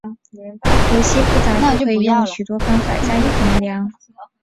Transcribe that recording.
游戏复杂度可以用许多方法加以衡量。